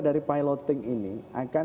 dari piloting ini akan